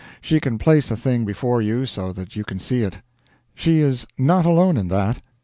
She can place a thing before you so that you can see it. She is not alone in that.